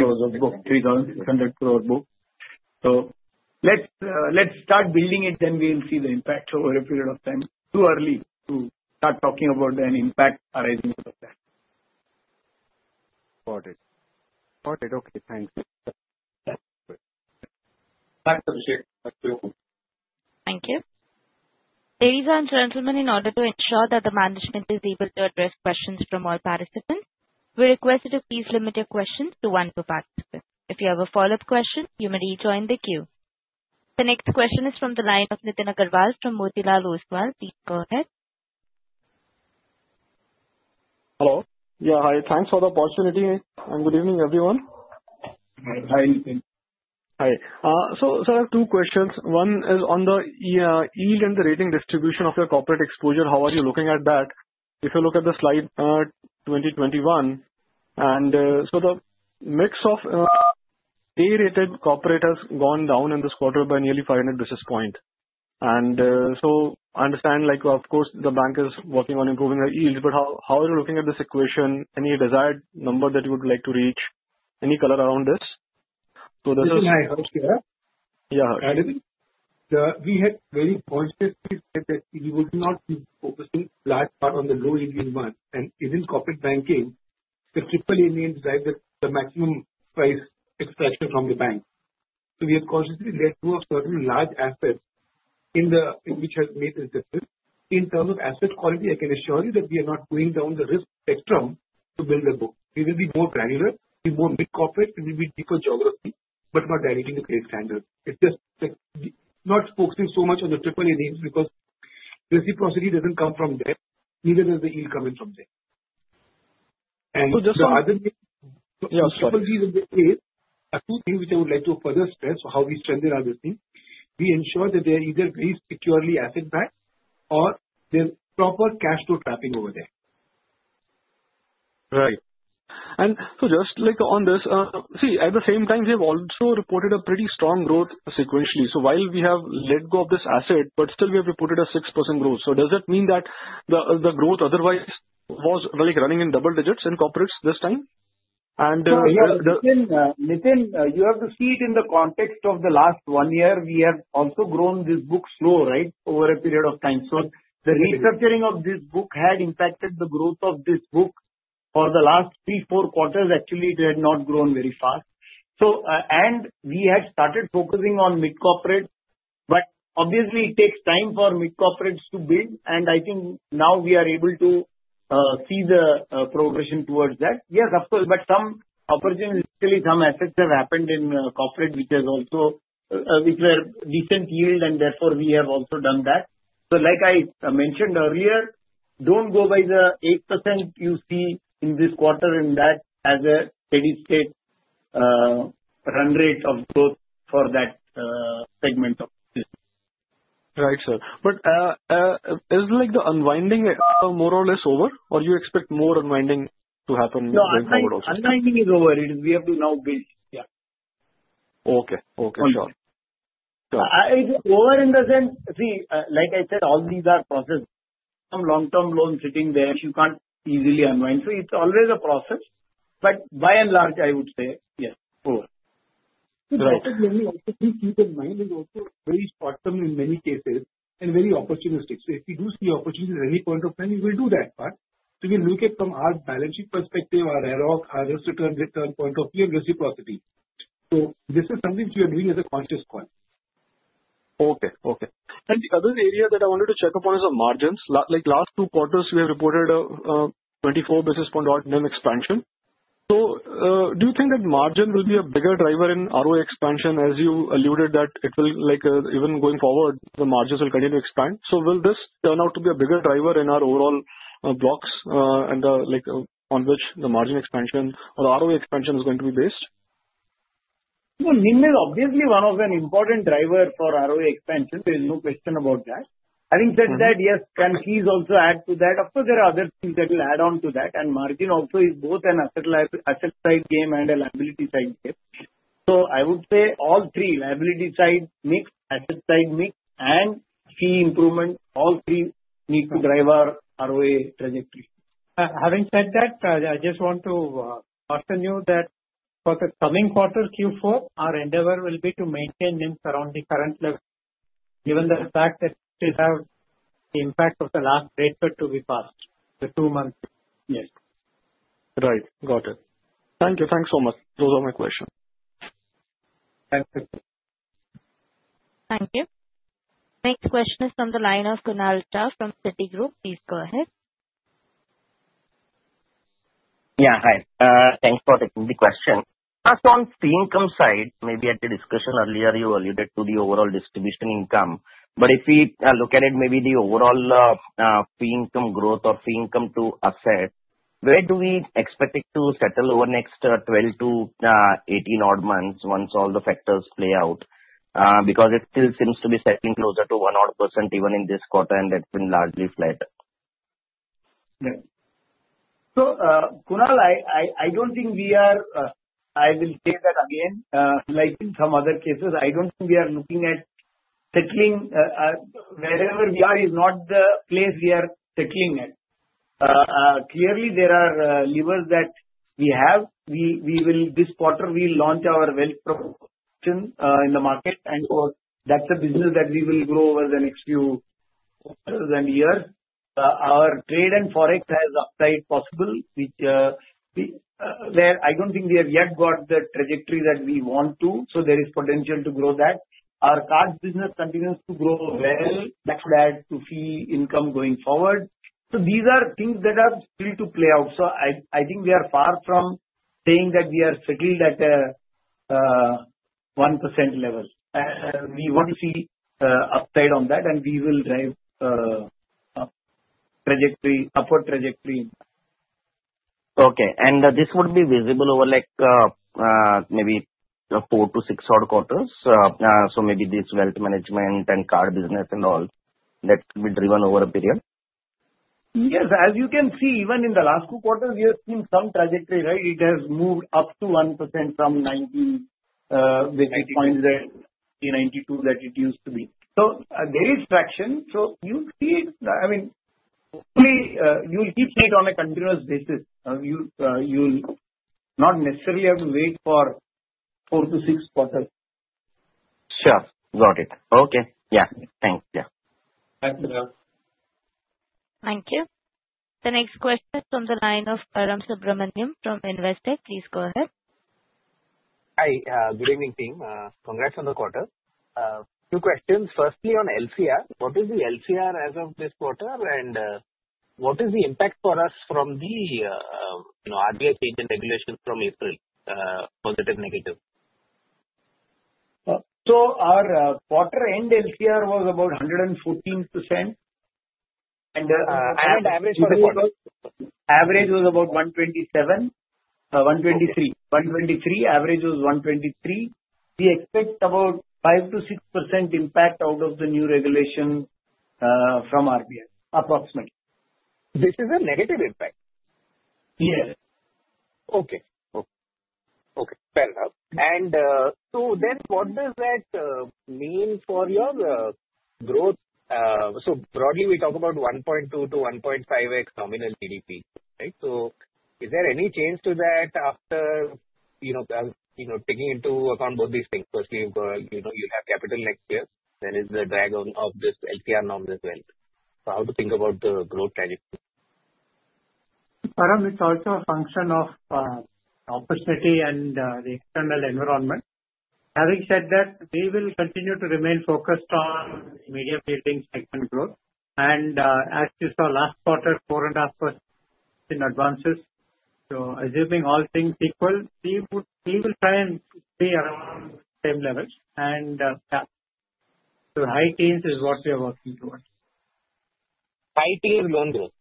So let's start building it, then we'll see the impact over a period of time. Too early to start talking about the impact arising out of that. Got it. Got it. Okay. Thanks. Thanks, Abhishek. Thank you. Thank you. Ladies and gentlemen, in order to ensure that the management is able to address questions from all participants, we request you to please limit your questions to one per participant. If you have a follow-up question, you may rejoin the queue. The next question is from the line of Nitin Aggarwal from Motilal Oswal. Please go ahead. Hello. Yeah. Hi. Thanks for the opportunity. And good evening, everyone. Hi. Hi. Hi. So I have two questions. One is on the yield and the rating distribution of your corporate exposure. How are you looking at that? If you look at the slide 2021, and so the mix of A-rated corporate has gone down in this quarter by nearly 500 basis points. And so I understand, of course, the bank is working on improving the yield, but how are you looking at this equation? Any desired number that you would like to reach? Any color around this? So this is. Nitin Aggarwal. Yeah, Harsh. We had very consciously said that we would not be focusing large part on the low-yielding ones. Even corporate banking, the triple-A names drive the maximum price extraction from the bank. We have consciously lent to certain large assets which has made a difference. In terms of asset quality, I can assure you that we are not going down the risk spectrum to build a book. We will be more granular. We'll be more mid-corporate, and we'll be deeper geography, but not deviating from the credit standard. It's just not focusing so much on the triple-A names because reciprocity doesn't come from there. Neither does the yield coming from there. The other thing. So just. Yeah. Triple B is two things which I would like to further stress how we strengthen our lending. We ensure that they are either very securely asset backed or there's proper cash flow trapping over there. Right. And so just on this, see, at the same time, we have also reported a pretty strong growth sequentially. So while we have let go of this asset, but still we have reported a 6% growth. So does that mean that the growth otherwise was running in double digits in corporates this time? And. Nitin, you have to see it in the context of the last one year. We have also grown this book slow, right, over a period of time. So the restructuring of this book had impacted the growth of this book for the last three, four quarters. Actually, it had not grown very fast, and we had started focusing on mid-corporates, but obviously, it takes time for mid-corporates to build, and I think now we are able to see the progression towards that. Yes, of course, but some opportunities, some assets have happened in corporate, which is also which were decent yield, and therefore we have also done that. So like I mentioned earlier, don't go by the 8% you see in this quarter. In that as a steady-state run rate of growth for that segment of business. Right, sir. But is the unwinding more or less over, or do you expect more unwinding to happen in the next quarter also? No, unwinding is over. We have to now build. Yeah. Okay. Okay. Sure. Sure. Over in the sense, see, like I said, all these are processes. Some long-term loans sitting there, you can't easily unwind. So it's always a process. But by and large, I would say, yes, over. Right. The thing to keep in mind is also very short-term in many cases and very opportunistic. So if we do see opportunity at any point of time, we will do that part. So we'll look at from our balance sheet perspective, our ROC, our risk-return point of view, and reciprocity. So this is something we are doing as a conscious call. Okay. Okay. And the other area that I wanted to check up on is the margins. Last two quarters, we have reported a 24 basis point or NIM expansion. So do you think that margin will be a bigger driver in ROA expansion as you alluded that it will, even going forward, the margins will continue to expand? So will this turn out to be a bigger driver in our overall blocks on which the margin expansion or ROA expansion is going to be based? NIM is obviously one of an important driver for ROA expansion. There is no question about that. Having said that, yes, can fees also add to that? Of course, there are other things that will add on to that. And margin also is both an asset side game and a liability side game. So I would say all three, liability side mix, asset side mix, and fee improvement, all three need to drive our ROA trajectory. Having said that, I just want to caution you that for the coming quarter, Q4, our endeavor will be to maintain NIM surrounding current level, given the fact that we have the impact of the last rate cut to be past the two months. Yes. Right. Got it. Thank you. Thanks so much. Those are my questions. Thank you. Thank you. Next question is from the line of Kunal Shah from Citigroup. Please go ahead. Yeah. Hi. Thanks for taking the question. Just on fee income side, maybe at the discussion earlier, you alluded to the overall distribution income. But if we look at it, maybe the overall fee income growth or fee income to asset, where do we expect it to settle over next 12-18 odd months once all the factors play out? Because it still seems to be settling closer to 1 odd % even in this quarter, and that's been largely flat. Yes. So Kunal, I don't think we are. I will say that again, like in some other cases, I don't think we are looking at settling. Wherever we are is not the place we are settling at. Clearly, there are levers that we have. This quarter, we launch our wealth proposition in the market, and that's a business that we will grow over the next few quarters and years. Our trade and forex has upside possible, which I don't think we have yet got the trajectory that we want to. So there is potential to grow that. Our cards business continues to grow well. That would add to fee income going forward. So these are things that are still to play out. So I think we are far from saying that we are settled at a 1% level. We want to see upside on that, and we will drive upward trajectory. Okay, and this would be visible over maybe four to six odd quarters, so maybe this wealth management and card business and all, that could be driven over a period? Yes. As you can see, even in the last two quarters, we have seen some trajectory, right? It has moved up to 1% from 90 basis points that it used to be. So there is traction. So you'll see it. I mean, hopefully, you'll keep seeing it on a continuous basis. You'll not necessarily have to wait for four to six quarters. Sure. Got it. Okay. Yeah. Thanks. Yeah. Thank you. Thank you. The next question is from the line of Param Subramanian from Investec. Please go ahead. Hi. Good evening, team. Congrats on the quarter. Two questions. Firstly, on LCR. What is the LCR as of this quarter? And what is the impact for us from the RBI change in regulation from April? Positive, negative. Our quarter-end LCR was about 114%. The average was about 123. We expect about 5%-6% impact out of the new regulation from RBI, approximately. This is a negative impact? Yes. Okay. Okay. Fair enough. And so then, what does that mean for your growth? So broadly, we talk about 1.2x-1.5x nominal GDP, right? So is there any change to that after taking into account both these things? Firstly, you have capital next year. Then, is the drag on of this LCR norm as well? So how to think about the growth trajectory? Param, it's also a function of opportunity and the external environment. Having said that, we will continue to remain focused on higher yielding segment growth. And as you saw last quarter, 4.5% advances. So assuming all things equal, we will try and stay around the same levels, and yeah, so high teens is what we are working towards. High teens loan growth.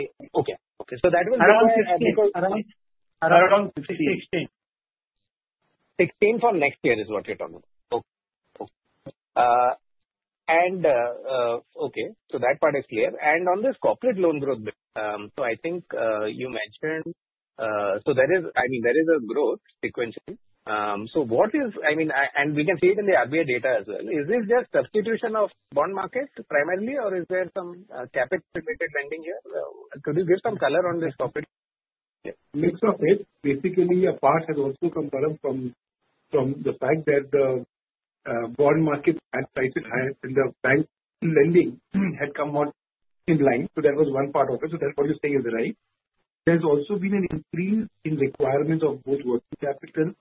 Okay. Okay. So that will be around 16. Around 16. 16 for next year is what you're talking about. Okay. And okay. So that part is clear. And on this corporate loan growth, so I think you mentioned so I mean, there is a growth sequentially. So what is I mean, and we can see it in the RBI data as well. Is this just substitution of bond market primarily, or is there some capital-related lending here? Could you give some color on this corporate? Mix of it. Basically, a part has also come from the fact that the bond market had prices higher, and the bank lending had come out in line. So that was one part of it. So that's what you're saying is right. There's also been an increase in requirements of both working capital.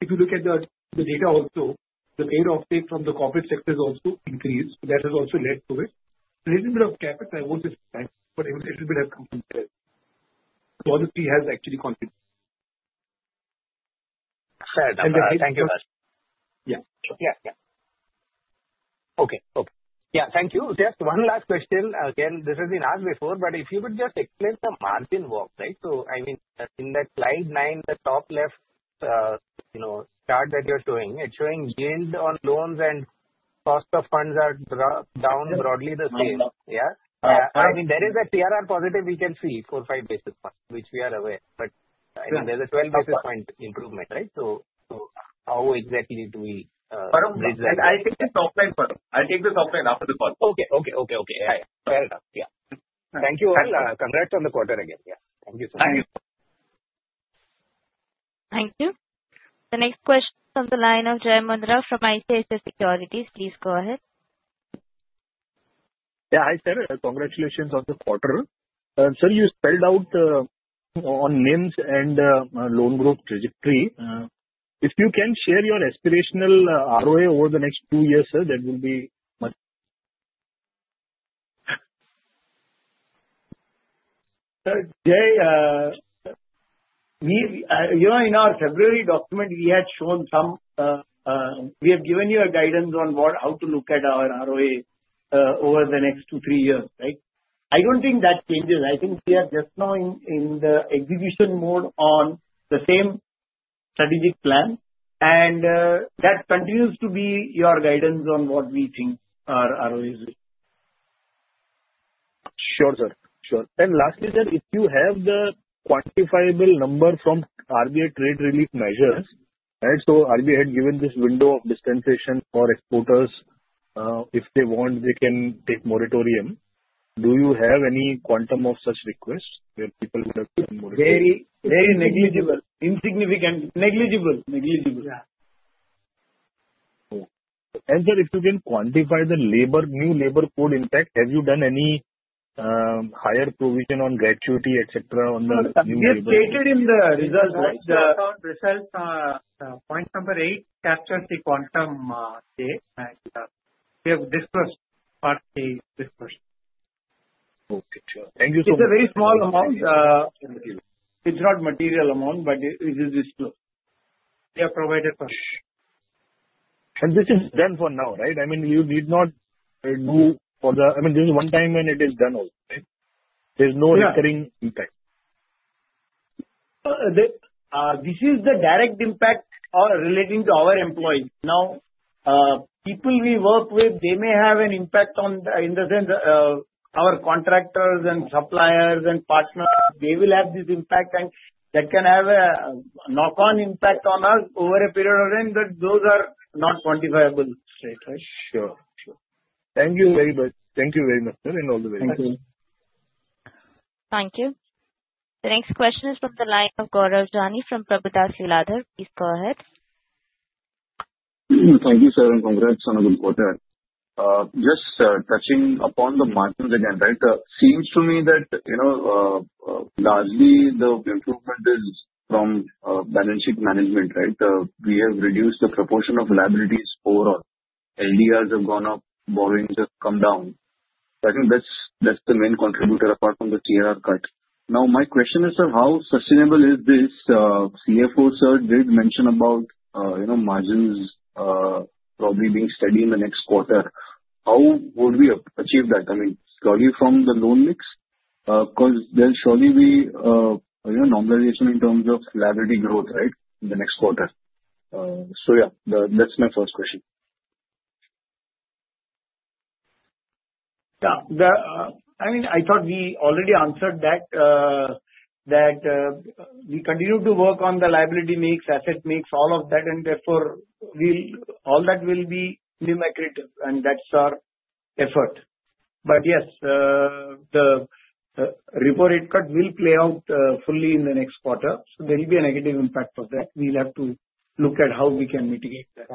If you look at the data also, the payoff rate from the corporate sector has also increased. That has also led to it. A little bit of capital was expected, but a little bit has come from there. So all the fee has actually contributed. Fair enough. Thank you very much. Yeah. Thank you. Just one last question. Again, this has been asked before, but if you could just explain the margin walk, right? So I mean, in that slide 9, the top left chart that you're showing, it's showing yield on loans and cost of funds are down broadly the same. Yeah. I mean, there is a CRR positive we can see four, five basis points, which we are aware. But I mean, there's a 12 basis point improvement, right? So how exactly do we? Param, I'll take this offline, Param. I'll take this offline after the call. Okay. Fair enough. Yeah. Thank you all. Congrats on the quarter again. Yeah. Thank you so much. Thank you. Thank you. The next question is from the line of Jai Mundhra from ICICI Securities. Please go ahead. Yeah. Hi, sir. Congratulations on the quarter. Sir, you spelled out on NIMs and loan growth trajectory. If you can share your aspirational ROA over the next two years, sir, that will be much. Sir, Jai, in our February document, we have given you a guidance on how to look at our ROA over the next two, three years, right? I don't think that changes. I think we are just now in the execution mode on the same strategic plan, and that continues to be your guidance on what we think our ROA is. Sure, sir. Sure, and lastly, sir, if you have the quantifiable number from RBI trade relief measures, right, so RBI had given this window of dispensation for exporters. If they want, they can take moratorium. Do you have any quantum of such requests where people would have given moratorium? Very negligible. Insignificant. Negligible. Negligible. Yeah, and sir, if you can quantify the new labor code impact, have you done any higher provision on gratuity, etc., on the new labor code? This is stated in the results, right? The results, point number eight captures the quantum data, and we have discussed partly this question. Okay. Sure. Thank you so much. It's a very small amount. It's not material amount, but it is discussed. We have provided for sure. This is done for now, right? I mean, you need not do for the I mean, this is one time and it is done also, right? There's no recurring impact. This is the direct impact relating to our employees. Now, people we work with, they may have an impact in the sense our contractors and suppliers and partners, they will have this impact. And that can have a knock-on impact on us over a period of time. But those are not quantifiable straight away. Sure. Sure. Thank you very much. Thank you very much, sir, in all the ways. Thank you. Thank you. The next question is from the line of Gaurav Jani from Prabhudas Lilladher. Please go ahead. Thank you, sir. And congrats on a good quarter. Just touching upon the margins again, right? Seems to me that largely the improvement is from balance sheet management, right? We have reduced the proportion of liabilities overall. LDRs have gone up. Borrowings have come down. So I think that's the main contributor apart from the CRR cut. Now, my question is, sir, how sustainable is this? CFO, sir, did mention about margins probably being steady in the next quarter. How would we achieve that? I mean, surely from the loan mix? Because there'll surely be normalization in terms of liability growth, right, in the next quarter. So yeah, that's my first question. Yeah. I mean, I thought we already answered that, that we continue to work on the liability mix, asset mix, all of that. And therefore, all that will be NIM accretive. And that's our effort. But yes, the repo rate cut will play out fully in the next quarter. So there will be a negative impact of that. We'll have to look at how we can mitigate that.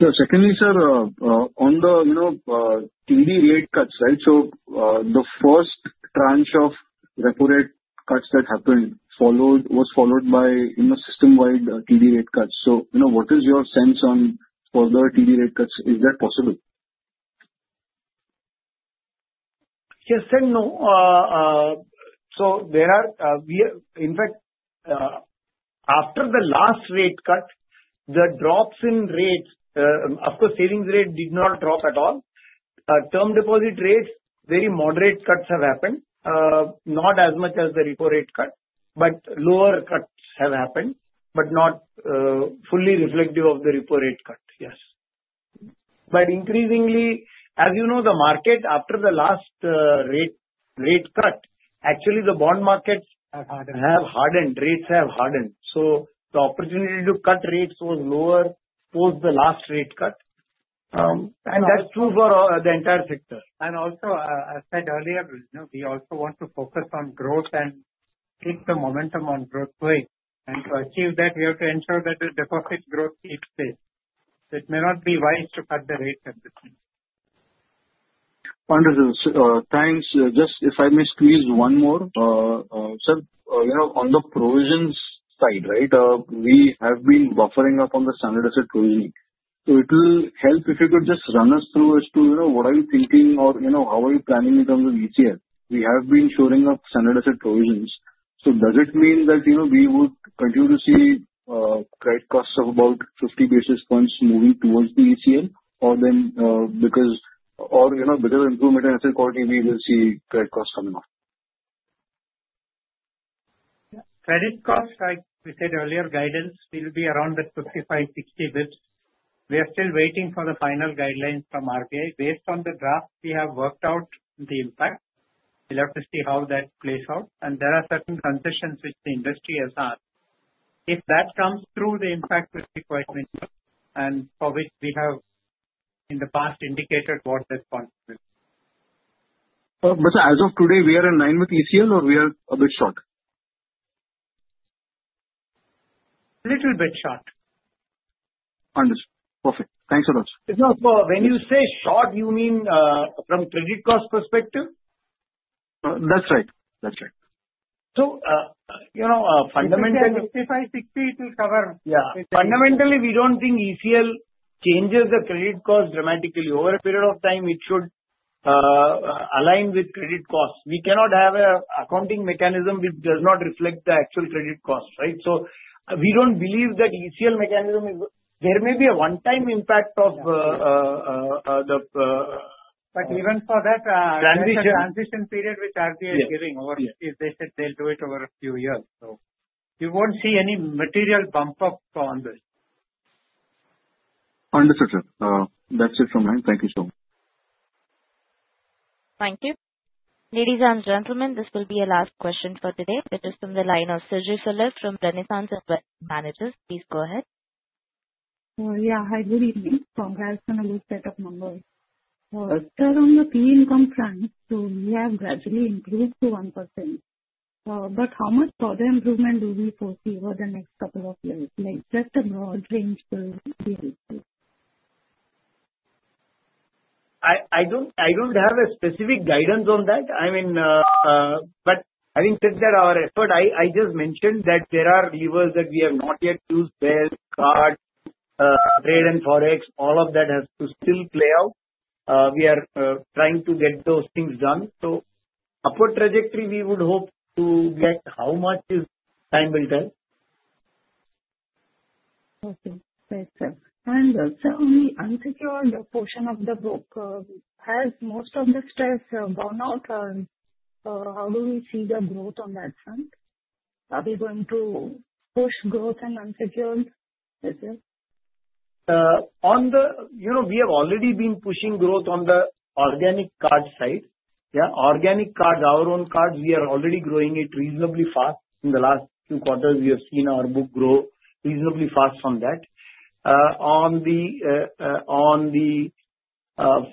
Yeah. Secondly, sir, on the repo rate cuts, right? So the first tranche of repo rate cuts that happened was followed by system-wide repo rate cuts. So what is your sense on further repo rate cuts? Is that possible? Yes and no. So there are in fact, after the last rate cut, the drops in rates, of course, savings rate did not drop at all. Term deposit rates, very moderate cuts have happened. Not as much as the reported cut, but lower cuts have happened, but not fully reflective of the reported cut. Yes. But increasingly, as you know, the market after the last rate cut, actually, the bond markets have hardened. Rates have hardened. So the opportunity to cut rates was lower post the last rate cut. And that's true for the entire sector. And also, as I said earlier, we also want to focus on growth and keep the momentum on growth going. And to achieve that, we have to ensure that the deposit growth keeps pace. It may not be wise to cut the rates at this time. Wonderful. Thanks. Just if I may squeeze one more, sir, on the provisions side, right? We have been buffering up on the standard asset provisioning. So it will help if you could just run us through as to what are you thinking or how are you planning in terms of ECL? We have been shoring up standard asset provisions. So does it mean that we would continue to see credit costs of about 50 basis points moving towards the ECL? Or because of better improvement in asset quality, we will see credit costs coming down? Credit costs, like we said earlier, guidance will be around the 55 basis points-60 basis points. We are still waiting for the final guidelines from RBI. Based on the draft, we have worked out the impact. We'll have to see how that plays out, and there are certain concessions which the industry has had. If that comes through, the impact will be quite minimal, and for which we have in the past indicated what that point will be. But as of today, we are in line with ECL or we are a bit short? A little bit short. Understood. Perfect. Thanks a lot, sir. When you say short, you mean from credit cost perspective? That's right. That's right. Fundamentally, 55 basis points-60 basis points, it will cover. Yeah. Fundamentally, we don't think ECL changes the credit cost dramatically. Over a period of time, it should align with credit costs. We cannot have an accounting mechanism which does not reflect the actual credit cost, right? So we don't believe that ECL mechanism is. There may be a one-time impact of the. But even for that. Transition. Transition period which RBI is giving over, if they said they'll do it over a few years, so you won't see any material bump up on this. Understood, sir. That's it from mine. Thank you so much. Thank you. Ladies and gentlemen, this will be your last question for today. It is from the line of Srijay Sulliv from Renaissance Investment Managers. Please go ahead. Yeah. Hi, good evening. Congrats on a good set of numbers. Sir, on the fee income trend, so we have gradually improved to 1%. But how much further improvement do we foresee over the next couple of years? Just a broad range will be helpful. I don't have a specific guidance on that. I mean, but having said that, our effort, I just mentioned that there are levers that we have not yet used: bill, card, trade, and forex. All of that has to still play out. We are trying to get those things done, so upward trajectory we would hope to get. How much, time will tell. Okay. Makes sense. And sir, on the unsecured portion of the book, has most of the stress gone out? How do we see the growth on that front? Are we going to push growth on unsecured? On the whole, we have already been pushing growth on the organic card side. Yeah. Organic cards, our own cards, we are already growing it reasonably fast. In the last few quarters, we have seen our book grow reasonably fast on that. On the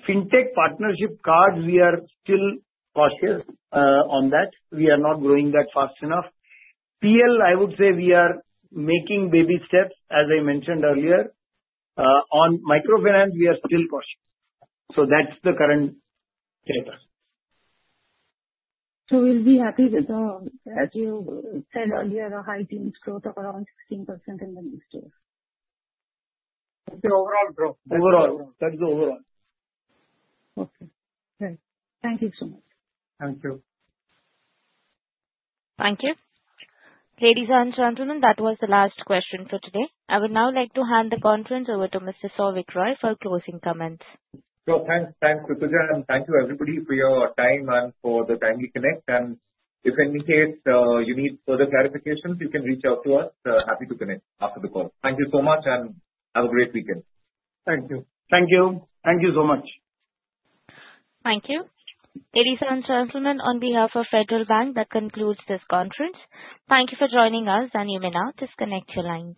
fintech partnership cards, we are still cautious on that. We are not growing that fast enough. PL, I would say we are making baby steps, as I mentioned earlier. On microfinance, we are still cautious. So that's the current status. So we'll be happy with, as you said earlier, a high growth of around 16% in the next year. The overall growth. Overall. That is the overall. Okay. Great. Thank you so much. Thank you. Thank you. Ladies and gentlemen, that was the last question for today. I would now like to hand the conference over to Mr. Souvik Roy for closing comments. So thanks. Thanks, Souvik Roy. And thank you, everybody, for your time and for the timely connect. And if in any case you need further clarifications, you can reach out to us. Happy to connect after the call. Thank you so much and have a great weekend. Thank you. Thank you. Thank you so much. Thank you. Ladies and gentlemen, on behalf of Federal Bank, that concludes this conference. Thank you for joining us, and you may now disconnect your line.